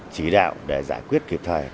chí đạo để giải quyết kịp thời